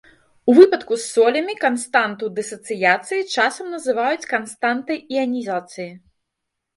У выпадку з солямі, канстанту дысацыяцыі часам называюць канстантай іанізацыі.